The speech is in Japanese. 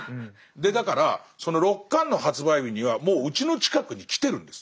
だからその６巻の発売日にはもううちの近くに来てるんです。